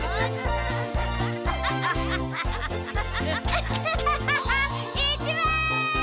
アッハハハハいっちばん！